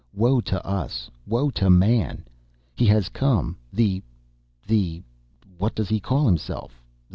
Woe to us! Woe to man! He has come, the ... the ... what does he call himself